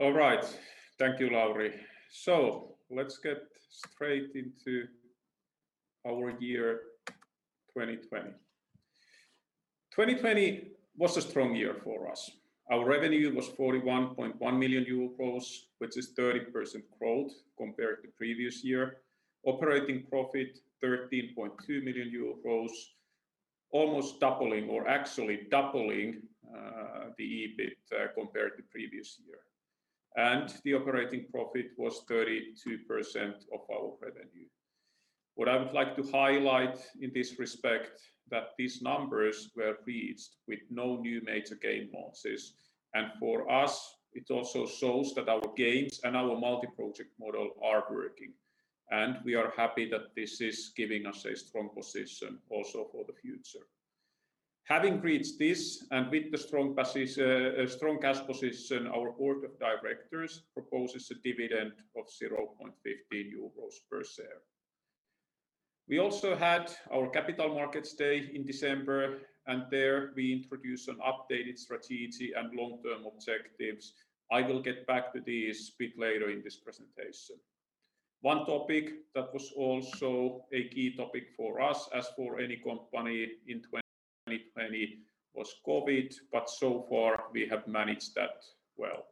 All right. Thank you, Lauri. Let's get straight into our year 2020. 2020 was a strong year for us. Our revenue was 41.1 million euros, which is 30% growth compared to previous year. Operating profit 13.2 million euros, almost doubling or actually doubling the EBIT compared to previous year. The operating profit was 32% of our revenue. What I would like to highlight in this respect, that these numbers were reached with no new major game launches. For us, it also shows that our games and our multi-project model are working, and we are happy that this is giving us a strong position also for the future. Having reached this and with the strong cash position, our board of directors proposes a dividend of 0.15 euros per share. We also had our Capital Markets Day in December. There we introduced an updated strategy and long-term objectives. I will get back to this bit later in this presentation. One topic that was also a key topic for us as for any company in 2020 was COVID, but so far, we have managed that well.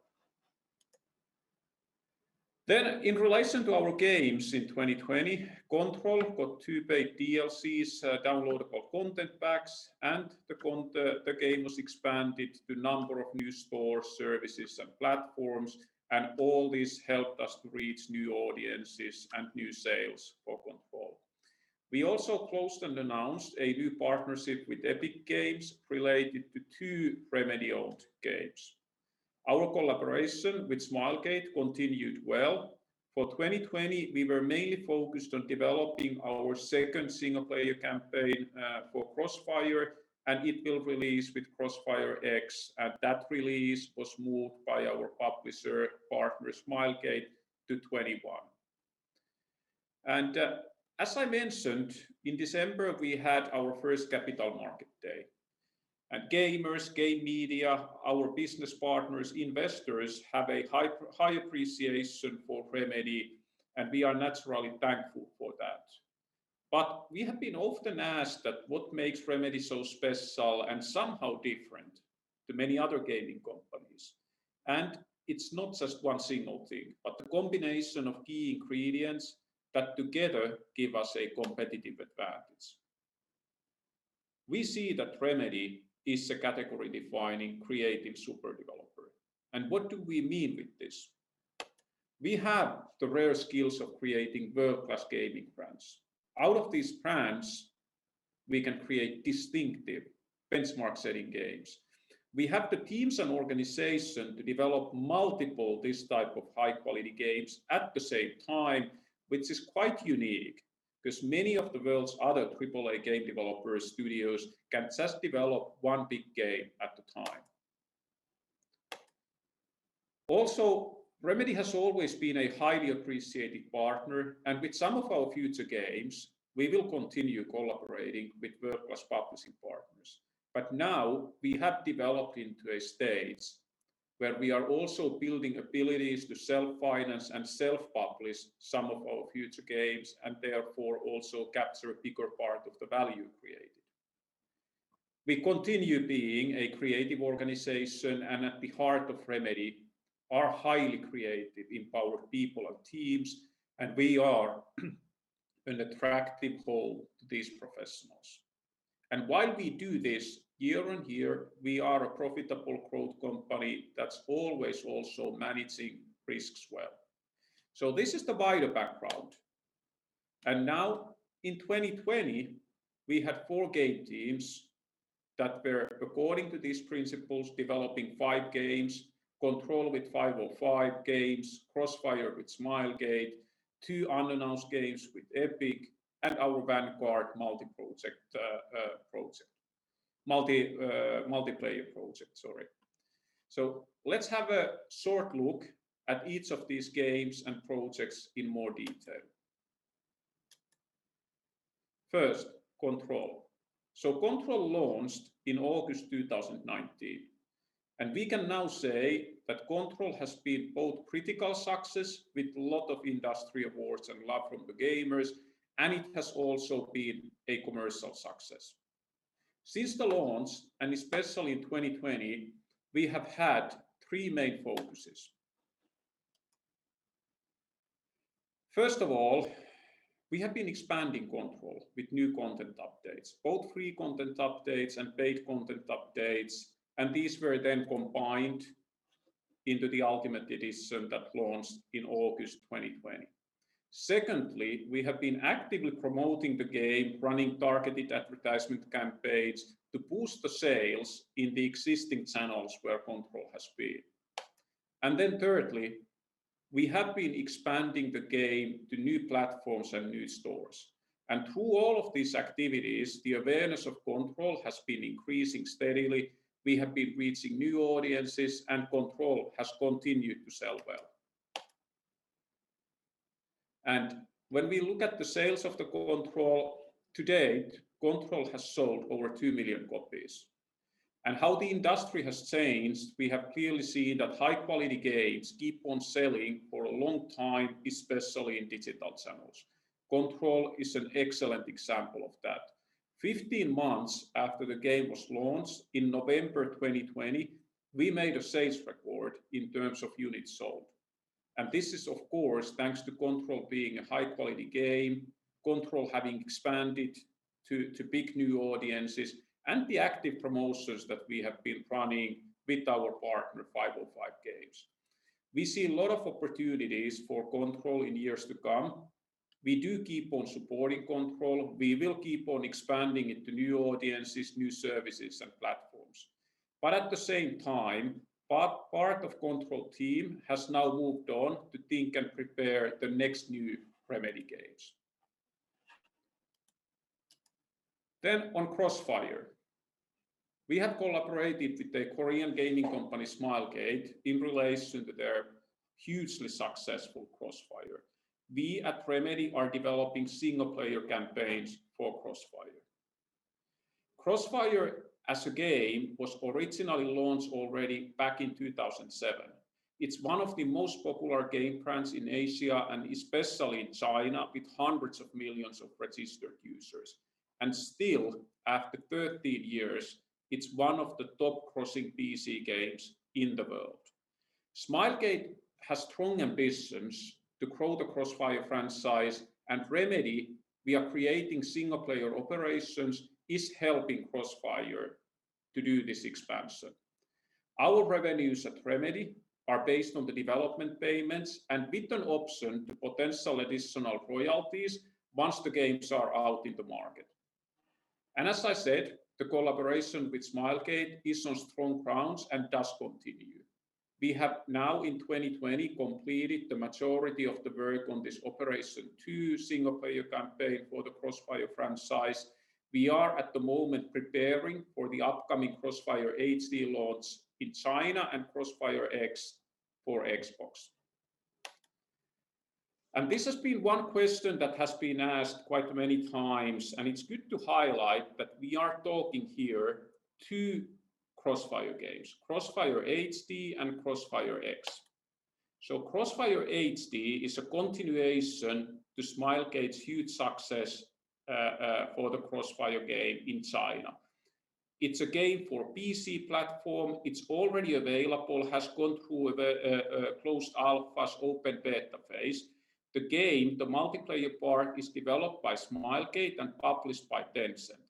In relation to our games in 2020, Control got two paid DLCs, downloadable content packs, and the game was expanded to a number of new store services and platforms, and all this helped us to reach new audiences and new sales for Control. We also closed and announced a new partnership with Epic Games related to two Remedy owned games. Our collaboration with Smilegate continued well. For 2020, we were mainly focused on developing our second single-player campaign for CrossFire, and it will release with CrossfireX, and that release was moved by our publisher partner, Smilegate, to 2021. As I mentioned, in December, we had our first Capital Markets Day. Gamers, game media, our business partners, investors have a high appreciation for Remedy, and we are naturally thankful for that. We have been often asked that what makes Remedy so special and somehow different to many other gaming companies. It's not just one single thing, but the combination of key ingredients that together give us a competitive advantage. We see that Remedy is a category-defining creative super developer. What do we mean with this? We have the rare skills of creating world-class gaming brands. Out of these brands, we can create distinctive benchmark-setting games. We have the teams and organization to develop multiple this type of high-quality games at the same time, which is quite unique because many of the world's other AAA game developer studios can just develop one big game at a time. Remedy has always been a highly appreciated partner, and with some of our future games, we will continue collaborating with world-class publishing partners. Now we have developed into a stage where we are also building abilities to self-finance and self-publish some of our future games, and therefore also capture a bigger part of the value created. We continue being a creative organization and at the heart of Remedy are highly creative, empowered people and teams, and we are an attractive home to these professionals. While we do this year-on-year, we are a profitable growth company that's always also managing risks well. This is the wider background. Now in 2020, we had four game teams that were, according to these principles, developing five games. Control with 505 Games, CrossFire with Smilegate, two unannounced games with Epic, and our Vanguard multiplayer project. Let's have a short look at each of these games and projects in more detail. First, Control. Control launched in August 2019, and we can now say that Control has been both critical success with lot of industry awards and love from the gamers, and it has also been a commercial success. Since the launch, and especially in 2020, we have had three main focuses. First of all, we have been expanding Control with new content updates, both free content updates and paid content updates, and these were then combined into the Ultimate Edition that launched in August 2020. Secondly, we have been actively promoting the game, running targeted advertisement campaigns to boost the sales in the existing channels where Control has been. Thirdly, we have been expanding the game to new platforms and new stores. Through all of these activities, the awareness of Control has been increasing steadily. We have been reaching new audiences. Control has continued to sell well. When we look at the sales of the Control today, Control has sold over two million copies. How the industry has changed, we have clearly seen that high-quality games keep on selling for a long time, especially in digital channels. Control is an excellent example of that. 15 months after the game was launched in November 2020, we made a sales record in terms of units sold. This is, of course, thanks to Control being a high-quality game, Control having expanded to big new audiences, and the active promotions that we have been running with our partner, 505 Games. We see a lot of opportunities for Control in years to come. We do keep on supporting Control. We will keep on expanding it to new audiences, new services, and platforms. At the same time, part of Control team has now moved on to think and prepare the next new Remedy games. On CrossFire. We have collaborated with the Korean gaming company Smilegate in relation to their hugely successful CrossFire. We at Remedy are developing single-player campaigns for CrossFire. CrossFire, as a game, was originally launched already back in 2007. It's one of the most popular game brands in Asia, and especially in China, with hundreds of millions of registered users. Still, after 13 years, it's one of the top grossing PC games in the world. Smilegate has strong ambitions to grow the CrossFire franchise, and Remedy, we are creating single-player campaigns is helping CrossFire to do this expansion. Our revenues at Remedy Entertainment are based on the development payments, with an option to potential additional royalties once the games are out in the market. As I said, the collaboration with Smilegate is on strong grounds and does continue. We have now, in 2020, completed the majority of the work on this operation to single-player campaign for the CrossFire franchise. We are at the moment preparing for the upcoming CrossFire HD launch in China and CrossfireX for Xbox. This has been one question that has been asked quite many times, and it's good to highlight that we are talking here two CrossFire games, CrossFire HD and CrossfireX. CrossFire HD is a continuation to Smilegate's huge success for the CrossFire game in China. It's a game for PC platform. It's already available, has gone through the closed alphas open beta phase. The game, the multiplayer part, is developed by Smilegate and published by Tencent.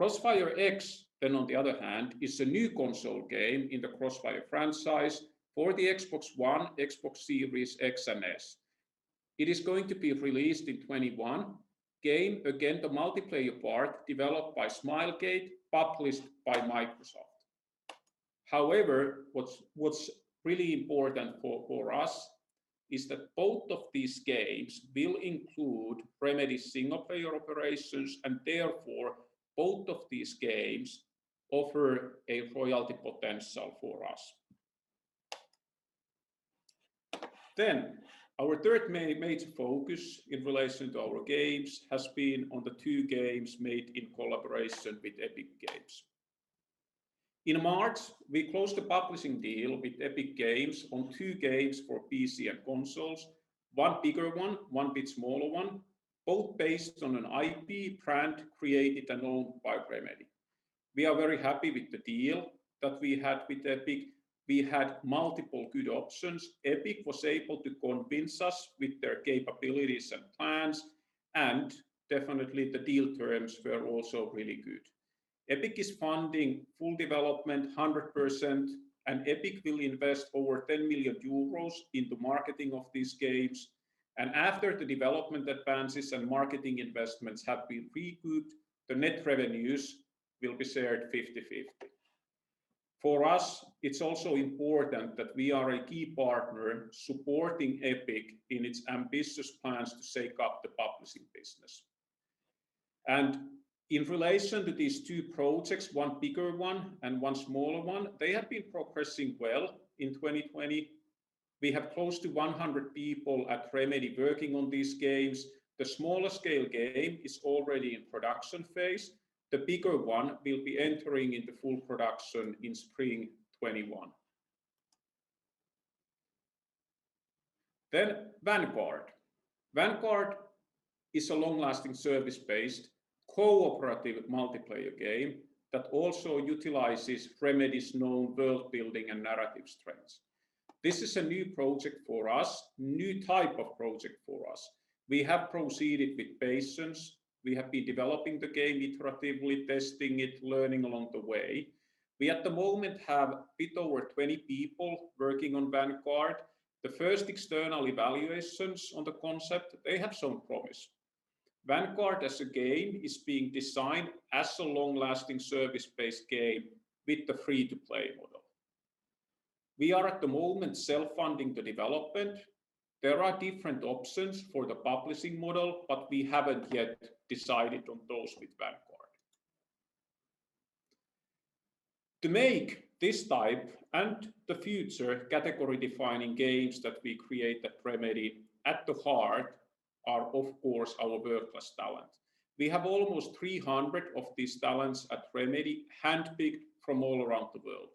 CrossfireX, on the other hand, is a new console game in the CrossFire franchise for the Xbox One, Xbox Series X and S. It is going to be released in 2021. Game, again, the multiplayer part developed by Smilegate, published by Microsoft. What's really important for us is that both of these games will include Remedy single-player operations, and therefore, both of these games offer a royalty potential for us. Our third major focus in relation to our games has been on the two games made in collaboration with Epic Games. In March, we closed a publishing deal with Epic Games on two games for PC and consoles, one bigger one bit smaller one, both based on an IP brand created and owned by Remedy. We are very happy with the deal that we had with Epic. We had multiple good options. Epic was able to convince us with their capabilities and plans, and definitely the deal terms were also really good. Epic is funding full development 100%, and Epic will invest over 10 million euros in the marketing of these games. After the development advances and marketing investments have been recouped, the net revenues will be shared 50/50. For us, it's also important that we are a key partner supporting Epic in its ambitious plans to shake up the publishing business. In relation to these two projects, one bigger one and one smaller one, they have been progressing well in 2020. We have close to 100 people at Remedy working on these games. The smaller scale game is already in production phase. The bigger one will be entering into full production in spring 2021. Vanguard. Vanguard is a long-lasting service-based cooperative multiplayer game that also utilizes Remedy's known world-building and narrative strengths. This is a new project for us, new type of project for us. We have proceeded with patience. We have been developing the game iteratively, testing it, learning along the way. We at the moment have a bit over 20 people working on Vanguard. The first external evaluations on the concept, they have shown promise. Vanguard as a game is being designed as a long-lasting service-based game with the free-to-play model. We are at the moment self-funding the development. There are different options for the publishing model, but we haven't yet decided on those with Vanguard. To make this type and the future category-defining games that we create at Remedy, at the heart are, of course, our world-class talent. We have almost 300 of these talents at Remedy, handpicked from all around the world.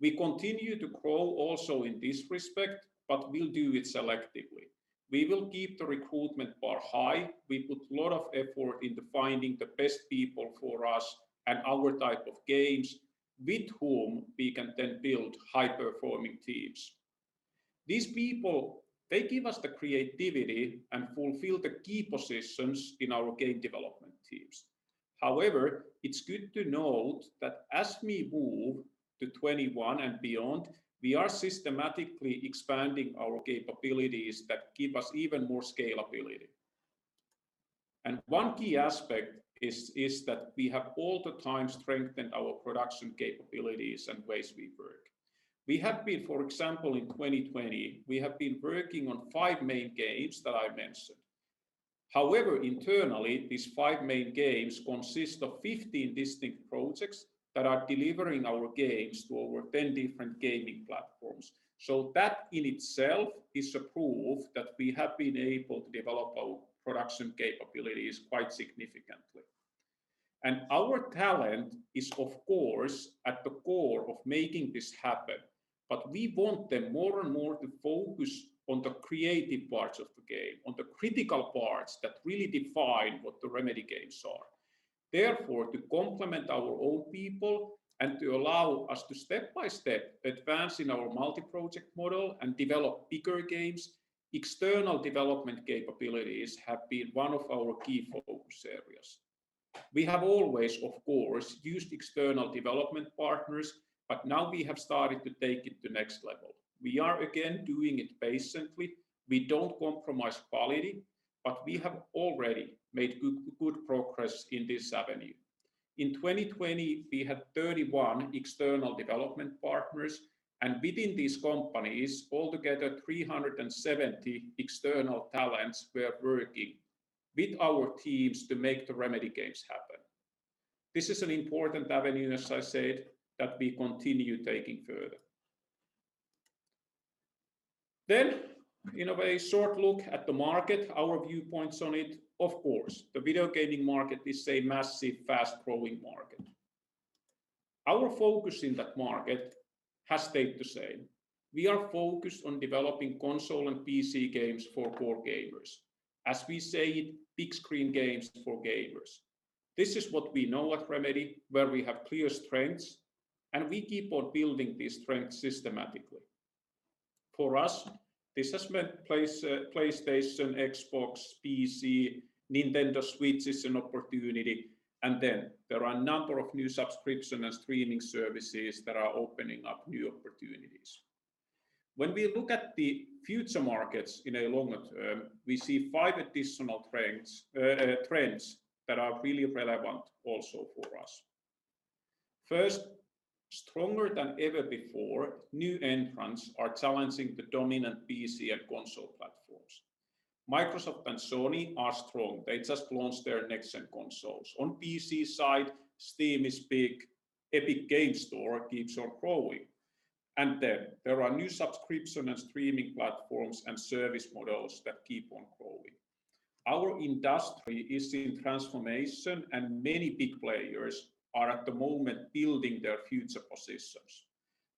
We continue to grow also in this respect, but we'll do it selectively. We will keep the recruitment bar high. We put a lot of effort into finding the best people for us and our type of games, with whom we can then build high-performing teams. These people, they give us the creativity and fulfill the key positions in our game development teams. However, it's good to note that as we move to 2021 and beyond, we are systematically expanding our capabilities that give us even more scalability. One key aspect is that we have all the time strengthened our production capabilities and ways we work. For example, in 2020, we have been working on five main games that I mentioned. Internally, these five main games consist of 15 distinct projects that are delivering our games to over 10 different gaming platforms. That in itself is a proof that we have been able to develop our production capabilities quite significantly. Our talent is, of course, at the core of making this happen, but we want them more and more to focus on the creative parts of the game, on the critical parts that really define what the Remedy games are. Therefore, to complement our own people and to allow us to step by step advance in our multi-project model and develop bigger games, external development capabilities have been one of our key focus areas. We have always, of course, used external development partners, but now we have started to take it to the next level. We are, again, doing it patiently. We don't compromise quality, but we have already made good progress in this avenue. In 2020, we had 31 external development partners, and within these companies, altogether 370 external talents were working with our teams to make the Remedy games happen. This is an important avenue, as I said, that we continue taking further. In a very short look at the market, our viewpoints on it, of course, the video gaming market is a massive, fast-growing market. Our focus in that market has stayed the same. We are focused on developing console and PC games for core gamers. As we say it, big-screen games for gamers. This is what we know at Remedy, where we have clear strengths, and we keep on building these strengths systematically. For us, this has meant PlayStation, Xbox, PC, Nintendo Switch is an opportunity, and then there are a number of new subscription and streaming services that are opening up new opportunities. When we look at the future markets in a longer term, we see five additional trends that are really relevant also for us. First, stronger than ever before, new entrants are challenging the dominant PC and console platforms. Microsoft and Sony are strong. They just launched their next-gen consoles. On PC side, Steam is big. Epic Games Store keeps on growing. There are new subscription and streaming platforms and service models that keep on growing. Our industry is seeing transformation, and many big players are at the moment building their future positions.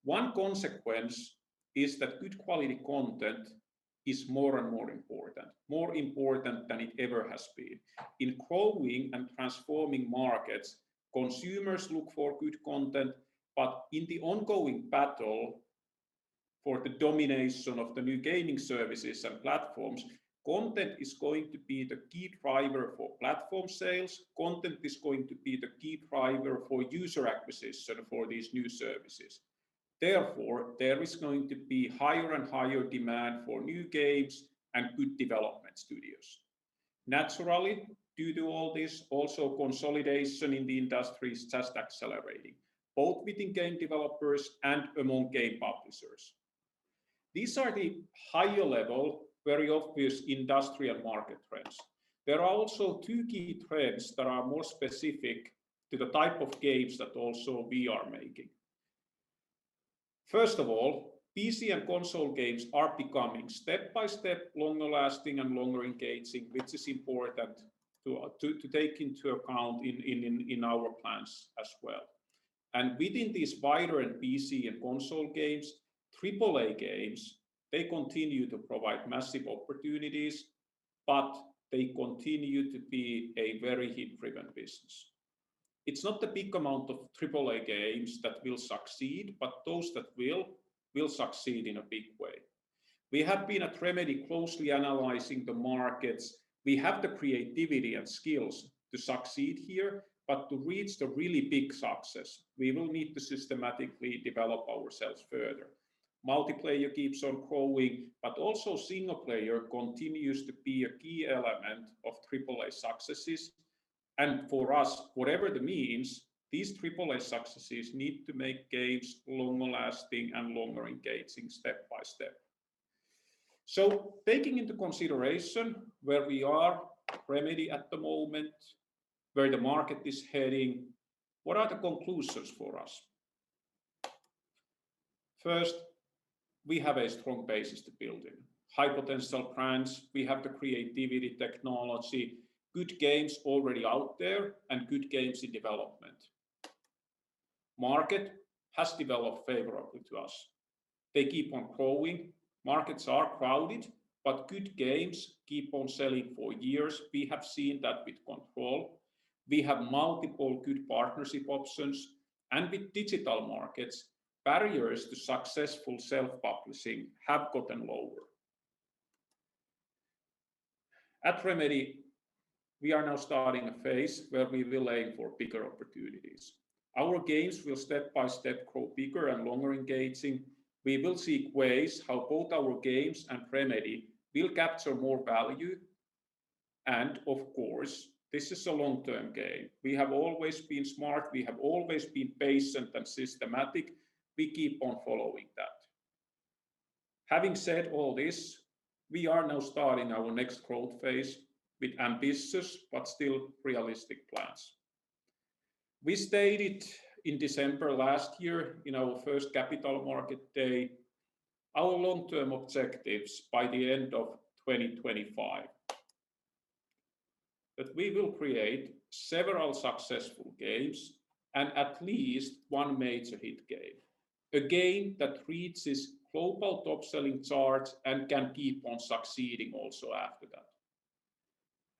One consequence is that good quality content is more and more important, more important than it ever has been. In growing and transforming markets, consumers look for good content, but in the ongoing battle for the domination of the new gaming services and platforms, content is going to be the key driver for platform sales. Content is going to be the key driver for user acquisition for these new services. Therefore, there is going to be higher and higher demand for new games and good development studios. Naturally, due to all this, also consolidation in the industry is just accelerating, both within game developers and among game publishers. These are the higher level, very obvious industrial market trends. There are also two key trends that are more specific to the type of games that also we are making. First of all, PC and console games are becoming step-by-step longer lasting and longer engaging, which is important to take into account in our plans as well. Within these wider PC and console games, AAA games, they continue to provide massive opportunities, but they continue to be a very hit-driven business. It's not the big amount of AAA games that will succeed, but those that will succeed in a big way. We have been at Remedy closely analyzing the markets. We have the creativity and skills to succeed here, but to reach the really big success, we will need to systematically develop ourselves further. Multiplayer keeps on growing, but also single player continues to be a key element of AAA successes. For us, whatever the means, these AAA successes need to make games longer lasting and longer engaging step by step. Taking into consideration where we are, Remedy at the moment, where the market is heading, what are the conclusions for us? First, we have a strong basis to building. High potential brands. We have the creativity, technology, good games already out there, and good games in development. Market has developed favorably to us. They keep on growing. Markets are crowded, but good games keep on selling for years. We have seen that with Control. With digital markets, barriers to successful self-publishing have gotten lower. At Remedy, we are now starting a phase where we will aim for bigger opportunities. Our games will step by step grow bigger and longer engaging. We will seek ways how both our games and Remedy will capture more value. Of course, this is a long-term game. We have always been smart, we have always been patient and systematic. We keep on following that. Having said all this, we are now starting our next growth phase with ambitious but still realistic plans. We stated in December last year in our first Capital Markets Day, our long-term objectives by the end of 2025. We will create several successful games and at least one major hit game, a game that reaches global top-selling charts and can keep on succeeding also after that.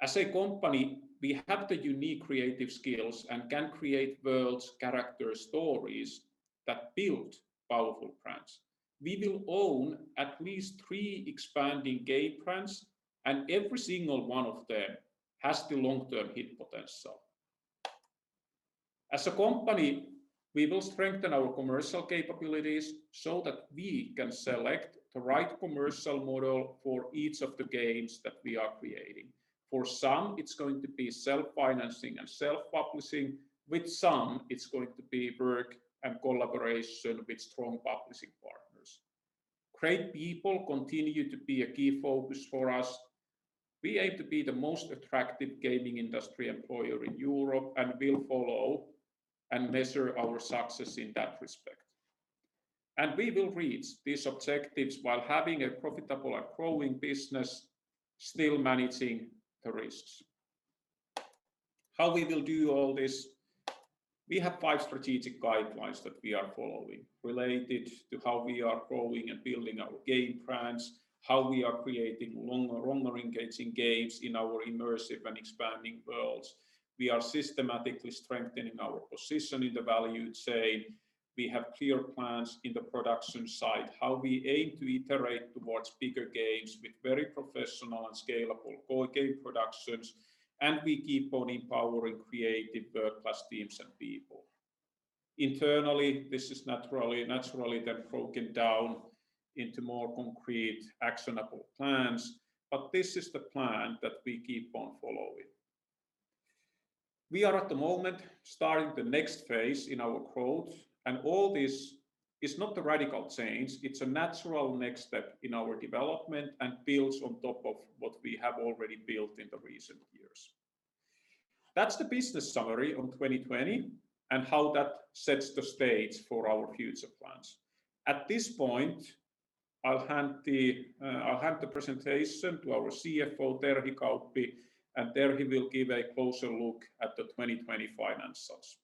As a company, we have the unique creative skills and can create worlds, character stories that build powerful brands. We will own at least three expanding game brands, every single one of them has the long-term hit potential. As a company, we will strengthen our commercial capabilities so that we can select the right commercial model for each of the games that we are creating. For some, it's going to be self-financing and self-publishing. With some, it's going to be work and collaboration with strong publishing partners. Great people continue to be a key focus for us. We aim to be the most attractive gaming industry employer in Europe and will follow and measure our success in that respect. We will reach these objectives while having a profitable and growing business, still managing the risks. How we will do all this? We have five strategic guidelines that we are following related to how we are growing and building our game brands, how we are creating longer engaging games in our immersive and expanding worlds. We are systematically strengthening our position in the value chain. We have clear plans in the production side, how we aim to iterate towards bigger games with very professional and scalable core game productions, and we keep on empowering creative world-class teams and people. Internally, this is naturally then broken down into more concrete, actionable plans, but this is the plan that we keep on following. We are at the moment starting the next phase in our growth, and all this is not a radical change. It's a natural next step in our development and builds on top of what we have already built in the recent years. That's the business summary on 2020 and how that sets the stage for our future plans. At this point, I'll hand the presentation to our Chief Financial Officer, Terhi Kauppi, and Terhi will give a closer look at the 2020 finances.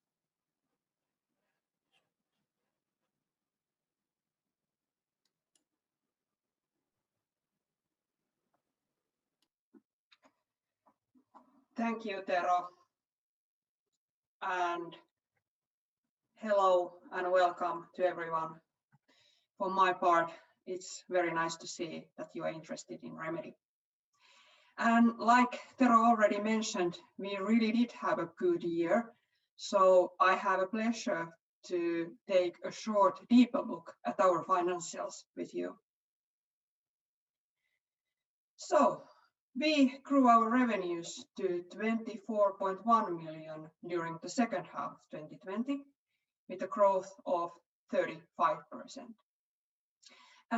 Thank you, Tero. Hello and welcome to everyone. For my part, it's very nice to see that you are interested in Remedy. Like Tero already mentioned, we really did have a good year. I have a pleasure to take a short, deeper look at our financials with you. We grew our revenues to 24.1 million during the second half 2020, with a growth of 35%.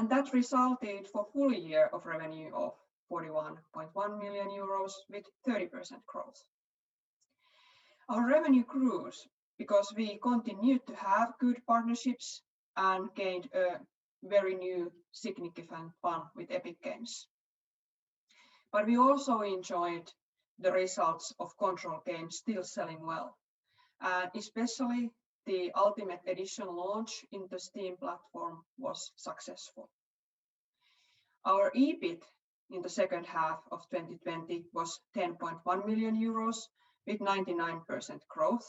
That resulted for full year of revenue of 41.1 million euros with 30% growth. Our revenue grew because we continued to have good partnerships and gained a very new significant one with Epic Games. We also enjoyed the results of Control still selling well, and especially the Ultimate Edition launch in the Steam was successful. Our EBIT in the second half of 2020 was 10.1 million euros with 99% growth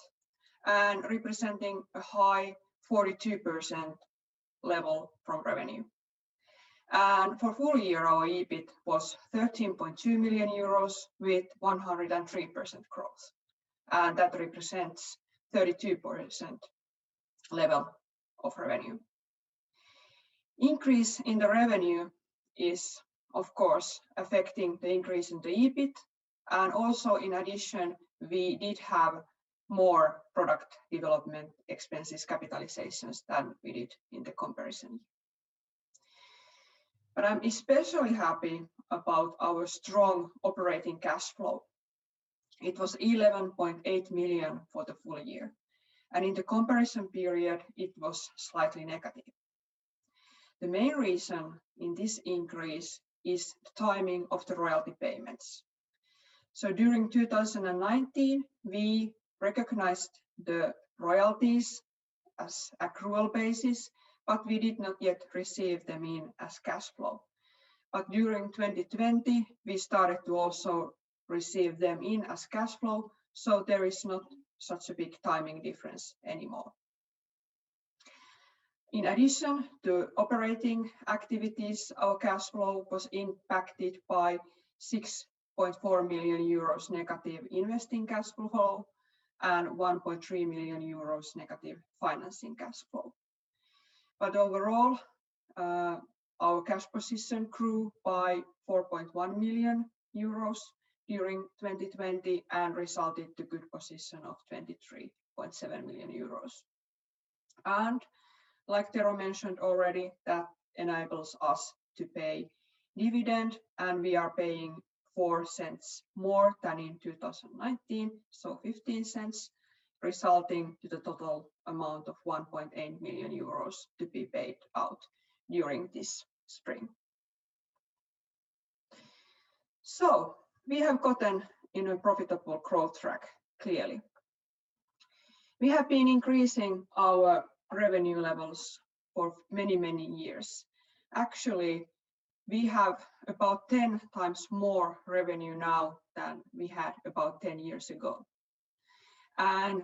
and representing a high 42% level from revenue. For full year, our EBIT was 13.2 million euros with 103% growth, and that represents 32% level of revenue. Increase in the revenue is, of course, affecting the increase in the EBIT. Also, in addition, we did have more product development expenses capitalizations than we did in the comparison. I'm especially happy about our strong operating cash flow. It was 11.8 million for the full year, and in the comparison period it was slightly negative. The main reason in this increase is the timing of the royalty payments. During 2019, we recognized the royalties as accrual basis, but we did not yet receive them in as cash flow. During 2020, we started to also receive them in as cash flow, so there is not such a big timing difference anymore. In addition to operating activities, our cash flow was impacted by 6.4 million euros negative investing cash flow and 1.3 million euros negative financing cash flow. Overall, our cash position grew by 4.1 million euros during 2020 and resulted the good position of 23.7 million euros. Like Tero mentioned already, that enables us to pay dividend, and we are paying 0.04 more than in 2019, so 0.15, resulting to the total amount of 1.8 million euros to be paid out during this spring. We have gotten in a profitable growth track, clearly. We have been increasing our revenue levels for many, many years. Actually, we have about 10x more revenue now than we had about 10 years ago.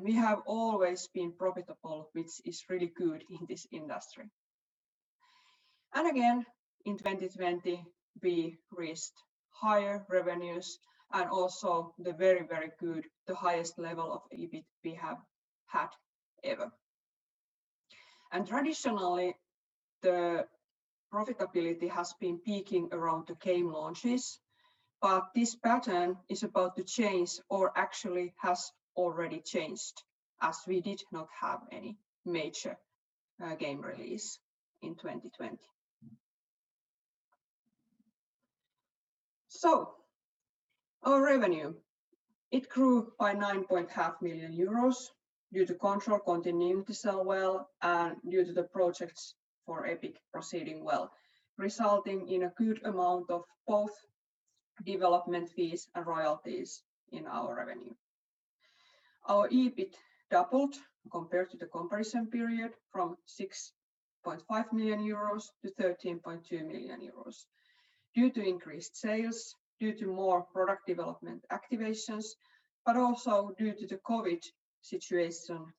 We have always been profitable, which is really good in this industry. Again, in 2020, we reached higher revenues and also the very, very good, the highest level of EBIT we have had ever. Traditionally, the profitability has been peaking around the game launches, but this pattern is about to change, or actually has already changed, as we did not have any major game release in 2020. Our revenue, it grew by 9.5 million euros due to Control continuing to sell well and due to the projects for Epic proceeding well, resulting in a good amount of both development fees and royalties in our revenue. Our EBIT doubled compared to the comparison period from 6.5 million-13.2 million euros due to increased sales, due to more product development activations, but also due to the COVID situation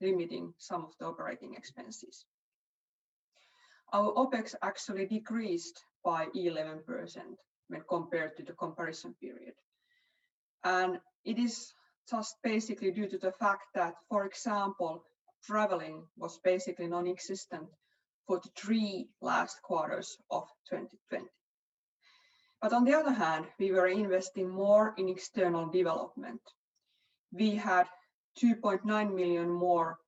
limiting some of the operating expenses. Our OPEX actually decreased by 11% when compared to the comparison period. It is just basically due to the fact that, for example, traveling was basically nonexistent for the three last quarters of 2020. On the other hand, we were investing more in external development. We had 2.9 million more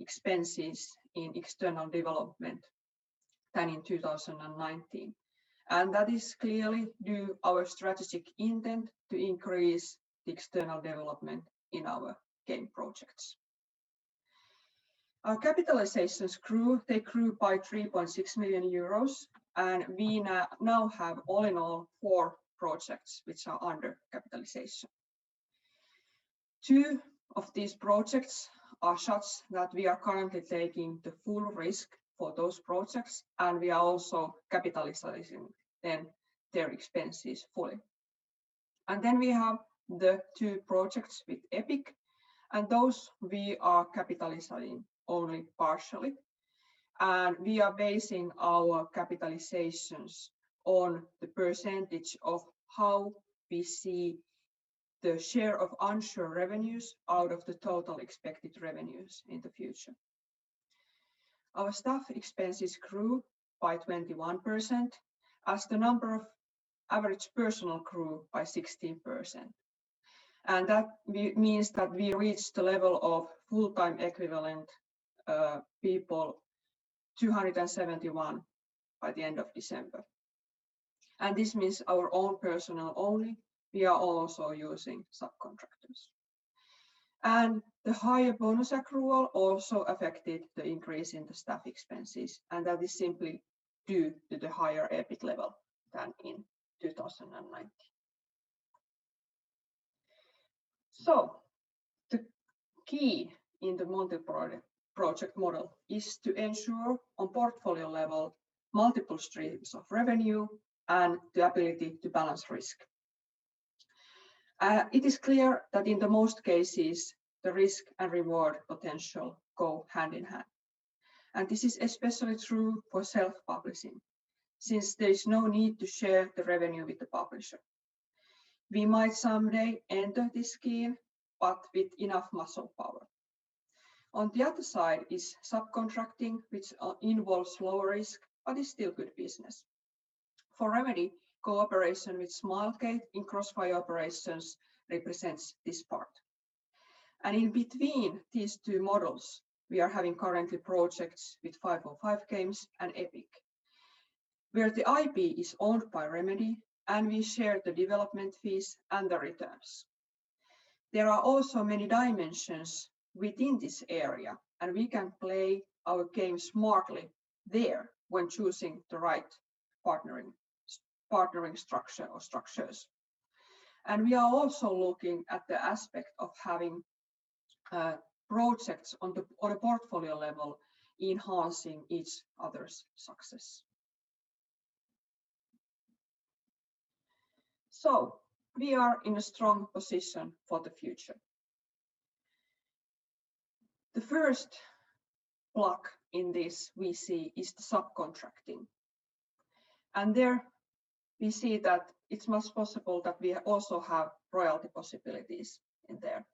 expenses in external development than in 2019, that is clearly due our strategic intent to increase the external development in our game projects. Our capitalizations grew. They grew by 3.6 million euros, we now have all in all four projects which are under capitalization. Two of these projects are such that we are currently taking the full risk for those projects, we are also capitalizing their expenses fully. We have the two projects with Epic, and those we are capitalizing only partially, and we are basing our capitalizations on the percentage of how we see the share of unsure revenues out of the total expected revenues in the future. Our staff expenses grew by 21% as the number of average personnel grew by 16%. That means that we reached the level of full-time equivalent people 271 by the end of December. This means our own personnel only. We are also using subcontractors. The higher bonus accrual also affected the increase in the staff expenses, and that is simply due to the higher EBIT level than in 2019. The key in the multi-project model is to ensure on portfolio level multiple streams of revenue and the ability to balance risk. It is clear that in the most cases, the risk and reward potential go hand in hand, and this is especially true for self-publishing since there is no need to share the revenue with the publisher. We might someday enter this scheme, but with enough muscle power. On the other side is subcontracting, which involves lower risk, but is still good business. For Remedy, cooperation with Smilegate in CrossFire operations represents this part. In between these two models, we are having currently projects with 505 Games and Epic, where the IP is owned by Remedy, and we share the development fees and the returns. There are also many dimensions within this area, and we can play our game smartly there when choosing the right partnering structure or structures. We are also looking at the aspect of having projects on a portfolio level enhancing each other's success. We are in a strong position for the future. The first block in this we see is the subcontracting. There we see that it's much possible that we also have royalty possibilities in there.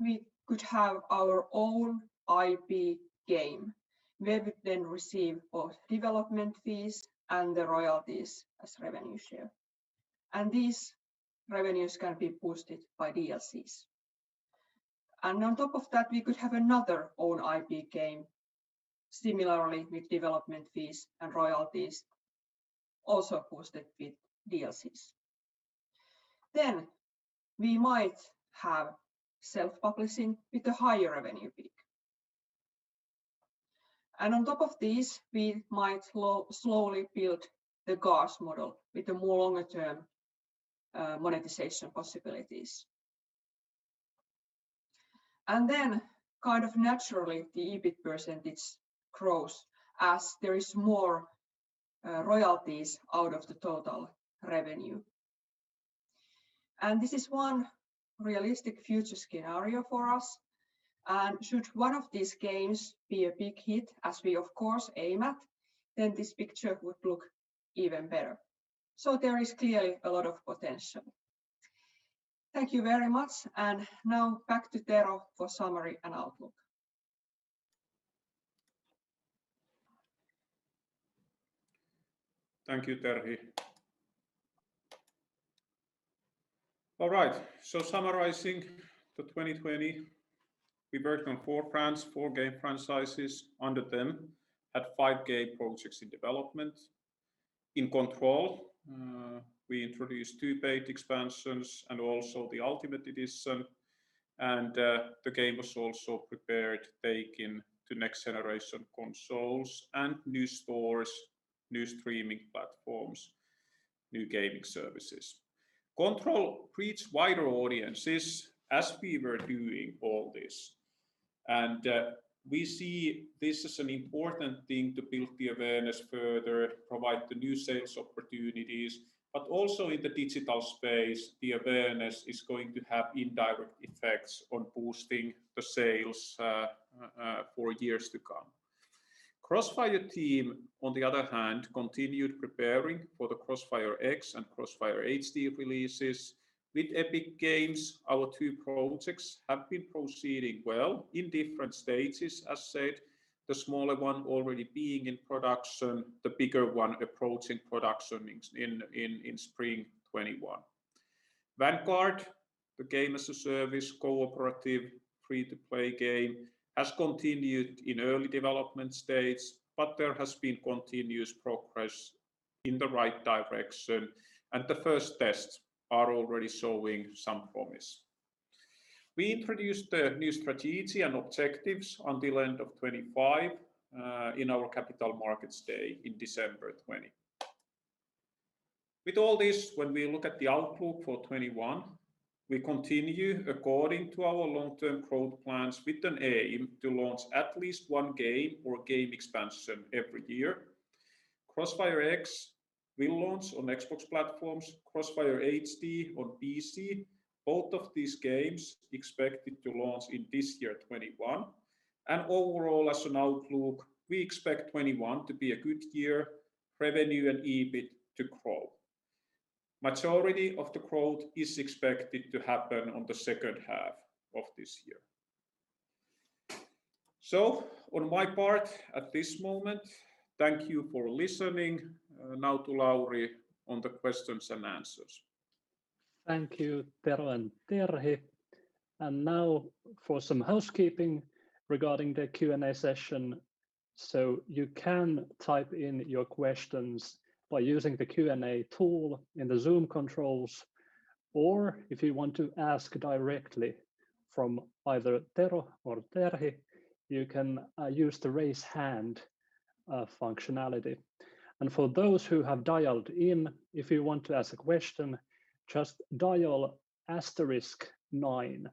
We could have our own IP game. We would then receive both development fees and the royalties as revenue share. These revenues can be boosted by DLCs. On top of that, we could have another own IP game, similarly with development fees and royalties also boosted with DLCs. We might have self-publishing with a higher revenue peak. On top of this, we might slowly build the GaaS model with the more longer-term monetization possibilities. Kind of naturally, the EBIT percentage grows as there is more royalties out of the total revenue. This is one realistic future scenario for us, and should one of these games be a big hit, as we of course aim at, then this picture would look even better. There is clearly a lot of potential. Thank you very much. Now back to Tero for summary and outlook. Thank you, Terhi. All right, summarizing the 2020, we worked on four game franchises. Under them, had five game projects in development. In Control, we introduced two paid expansions and also the Ultimate Edition. The game was also prepared taking to next-generation consoles and new stores, new streaming platforms, new gaming services. Control reached wider audiences as we were doing all this. We see this as an important thing to build the awareness further, provide the new sales opportunities. Also in the digital space, the awareness is going to have indirect effects on boosting the sales for years to come. CrossFire team, on the other hand, continued preparing for the CrossfireX and CrossFire HD releases. With Epic Games, our two projects have been proceeding well in different stages. As said, the smaller one already being in production, the bigger one approaching production in spring 2021. Vanguard, the Games as a Service cooperative free-to-play game, has continued in early development stage, but there has been continuous progress in the right direction, and the first tests are already showing some promise. We introduced the new strategy and objectives until end of 2025 in our Capital Markets Day in December 2020. With all this, when we look at the outlook for 2021, we continue according to our long-term growth plans with an aim to launch at least one game or game expansion every year. CrossfireX will launch on Xbox platforms, CrossFire HD on PC. Both of these games expected to launch in this year 2021. Overall, as an outlook, we expect 2021 to be a good year, revenue and EBIT to grow. Majority of the growth is expected to happen on the second half of this year. On my part at this moment, thank you for listening. Now to Lauri on the questions and answers. Thank you, Tero and Terhi. Now for some housekeeping regarding the Q&A session. You can type in your questions by using the Q&A tool in the Zoom controls, or if you want to ask directly from either Tero or Terhi, you can use the raise hand functionality. For those who have dialed in, if you want to ask a question, just dial asterisk nine.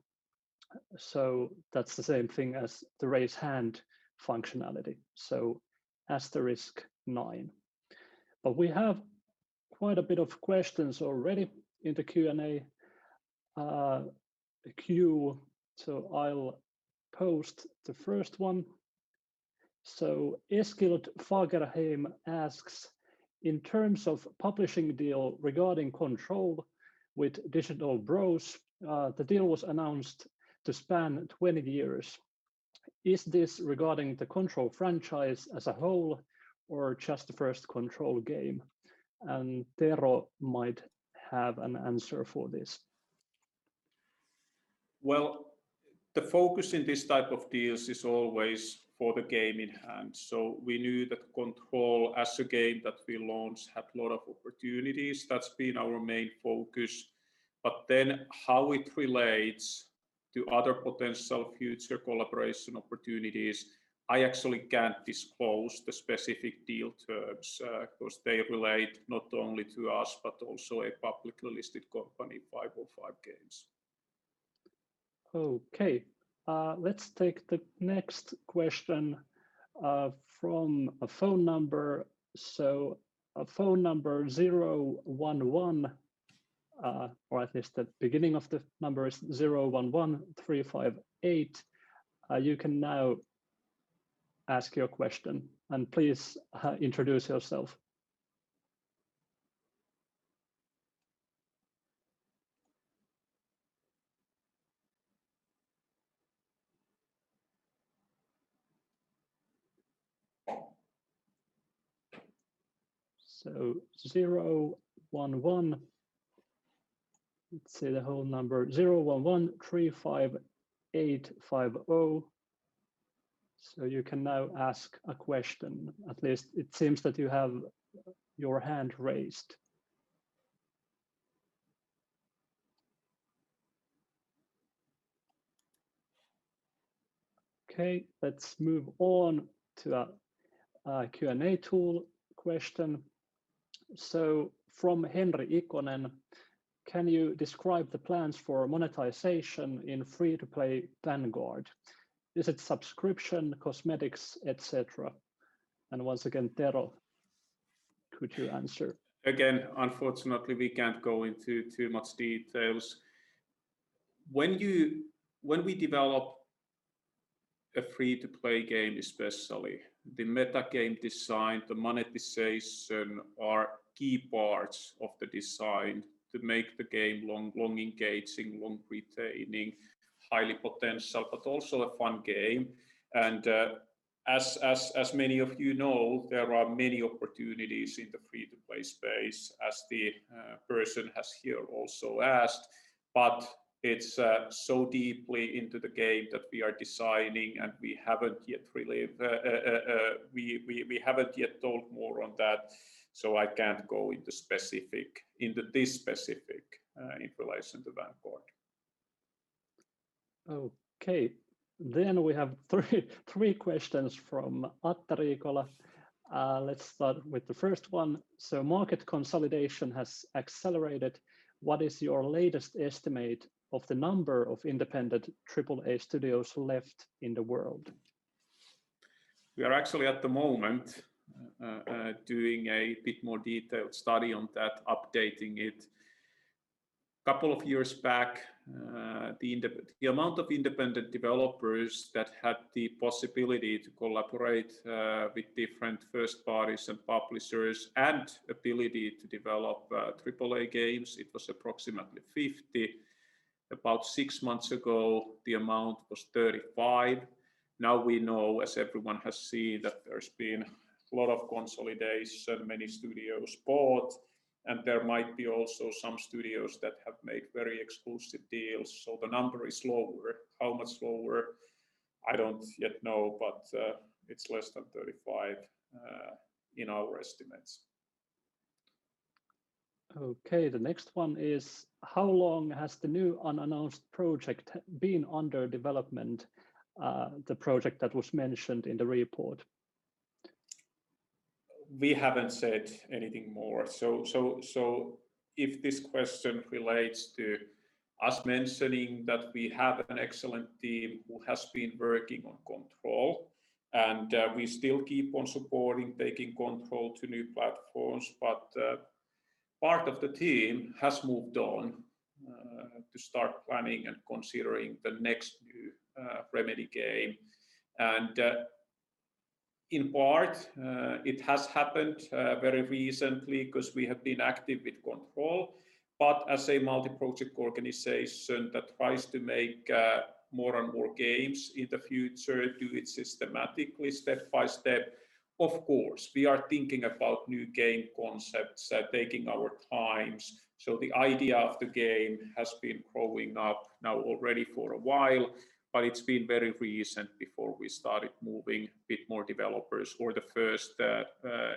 That's the same thing as the raise hand functionality. Asterisk nine. We have quite a bit of questions already in the Q&A queue, I'll post the first one. Eskild Fagerheim asks, in terms of publishing deal regarding Control with Digital Bros, the deal was announced to span 20 years. Is this regarding the Control franchise as a whole or just the first Control game? Tero might have an answer for this. The focus in this type of deals is always for the game in hand. We knew that Control as a game that we launched had a lot of opportunities. That's been our main focus. How it relates to other potential future collaboration opportunities, I actually can't disclose the specific deal terms, because they relate not only to us, but also a publicly listed company, 505 Games. Okay. Let's take the next question from a phone number, so phone number 011, or at least the beginning of the number is 011358. You can now ask your question, and please introduce yourself. 011, let's say the whole number, 01135850. You can now ask a question. At least it seems that you have your hand raised. Okay, let's move on to a Q&A tool question. From Henry Ikonen, can you describe the plans for monetization in free-to-play Vanguard? Is it subscription, cosmetics, et cetera? Once again, Tero, could you answer? Again, unfortunately, we can't go into too much detail. When we develop a free-to-play game, especially, the meta game design, the monetization are key parts of the design to make the game long engaging, long retaining, highly potential, but also a fun game. As many of you know, there are many opportunities in the free-to-play space as the person has here also asked. It's so deeply into the game that we are designing, and we haven't yet talked more on that, so I can't go into this specific in relation to Vanguard. Okay. We have three questions from Atte Riikola. Let's start with the first one. Market consolidation has accelerated. What is your latest estimate of the number of independent AAA studios left in the world? We are actually at the moment, doing a bit more detailed study on that, updating it. Couple of years back, the amount of independent developers that had the possibility to collaborate with different first parties and publishers, and ability to develop AAA games, it was approximately 50 independent developers. About six months ago, the amount was 35 independent developers. Now we know, as everyone has seen, that there's been a lot of consolidation, many studios bought. There might be also some studios that have made very exclusive deals, so the number is lower. How much lower, I don't yet know, but it's less than 35 independent developers in our estimates. Okay, the next one is, how long has the new unannounced project been under development, the project that was mentioned in the report? We haven't said anything more. If this question relates to us mentioning that we have an excellent team who has been working on Control, and we still keep on supporting taking Control to new platforms. Part of the team has moved on to start planning and considering the next new Remedy game. In part, it has happened very recently because we have been active with Control, but as a multi-project organization that tries to make more and more games in the future, do it systematically step by step, of course, we are thinking about new game concepts, taking our times. The idea of the game has been growing up now already for a while, but it's been very recent before we started moving a bit more developers or the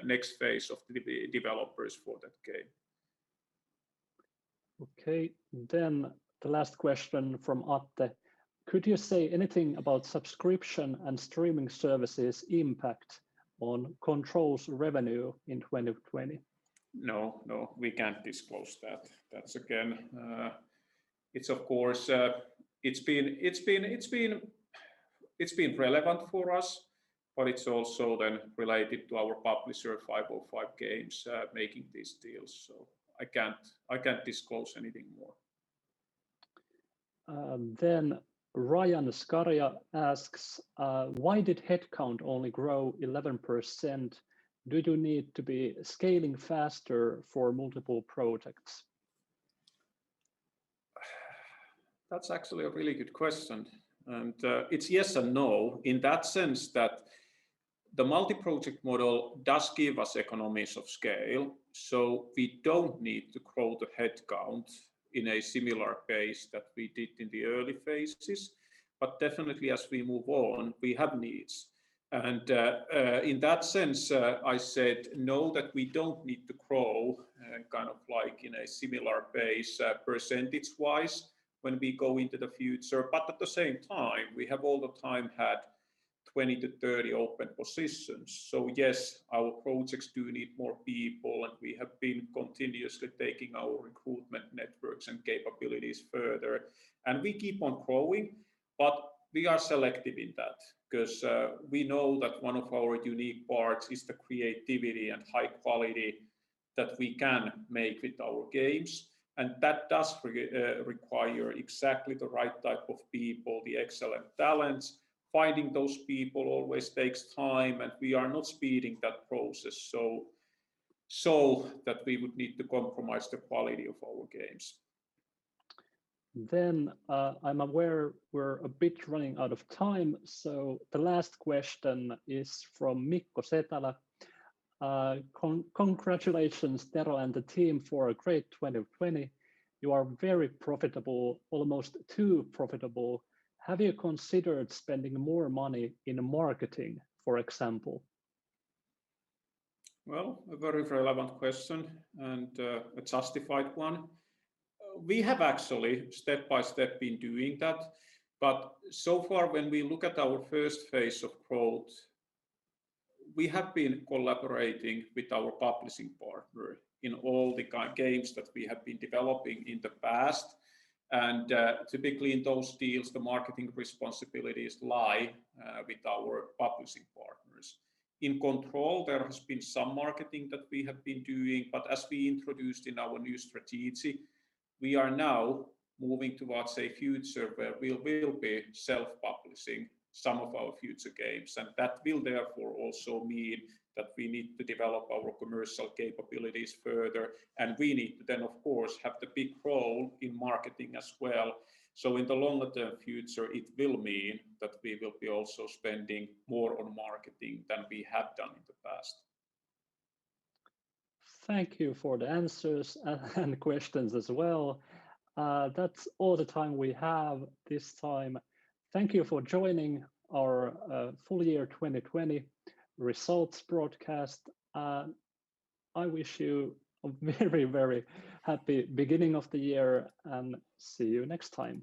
next phase of the developers for that game. Okay. The last question from Atte. Could you say anything about subscription and streaming services impact on Control's revenue in 2020? No, we can't disclose that. It's been relevant for us, but it's also then related to our publisher, 505 Games, making these deals, so I can't disclose anything more. Ryan Skaria asks, "Why did headcount only grow 11%? Do you need to be scaling faster for multiple projects? That's actually a really good question, and it's yes and no, in that sense that the multi-project model does give us economies of scale, so we don't need to grow the headcount in a similar pace that we did in the early phases. Definitely as we move on, we have needs. In that sense, I said no, that we don't need to grow in a similar pace percentage-wise when we go into the future. At the same time, we have all the time had 20 to 30 open positions. Yes, our projects do need more people, and we have been continuously taking our recruitment networks and capabilities further. We keep on growing, but we are selective in that because we know that one of our unique parts is the creativity and high quality that we can make with our games, and that does require exactly the right type of people, the excellent talents. Finding those people always takes time, and we are not speeding that process so that we would need to compromise the quality of our games. I'm aware we're a bit running out of time, so the last question is from Mikko Sätälä. "Congratulations, Tero and the team, for a great 2020. You are very profitable, almost too profitable. Have you considered spending more money in marketing, for example? Well, a very relevant question, and a justified one. We have actually, step by step, been doing that, but so far, when we look at our first phase of growth, we have been collaborating with our publishing partner in all the games that we have been developing in the past, and typically in those deals, the marketing responsibilities lie with our publishing partners. In Control, there has been some marketing that we have been doing, but as we introduced in our new strategy, we are now moving towards a future where we will be self-publishing some of our future games. And that will therefore also mean that we need to develop our commercial capabilities further, and we need to then, of course, have the big role in marketing as well. In the longer-term future, it will mean that we will be also spending more on marketing than we have done in the past. Thank you for the answers and questions as well. That's all the time we have this time. Thank you for joining our full year 2020 results broadcast. I wish you a very, very happy beginning of the year, and see you next time.